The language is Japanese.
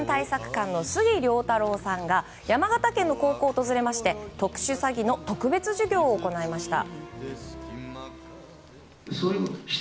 監の杉良太郎さんが山形県の高校を訪れまして特殊詐欺の特別授業を行いました。